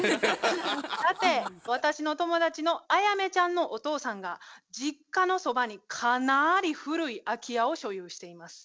さて私の友達のあやめちゃんのお父さんが実家のそばにかなり古い空き家を所有しています。